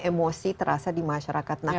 emosi terasa di masyarakat